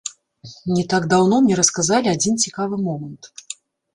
Не так даўно мне расказалі адзін цікавы момант.